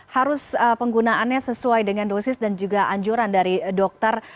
harus penggunaannya sesuai dengan dosis dan juga anjuran dari dokter